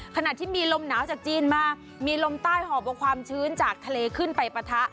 ขณะที่มีลมหนาวจากจีนมามีลมใต้หอบเอาความชื้นจากทะเลขึ้นไปปะทะ